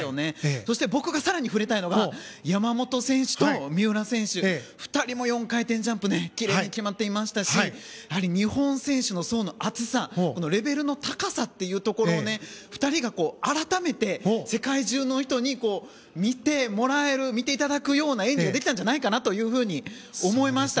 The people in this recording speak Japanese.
そして、僕が更に触れたいのが山本選手と三浦選手２人も４回転ジャンプがきれいに決まっていましたしやはり日本選手の層の厚さレベルの高さを２人が改めて世界中の人に見てもらえるような演技ができたんじゃないかと思いました。